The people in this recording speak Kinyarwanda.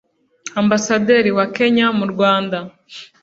Ambasaderi wa Kenya mu Rwanda